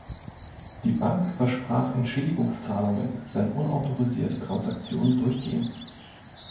Die Bank versprach Entschädigungszahlungen, wenn unautorisierte Transaktionen durchgehen.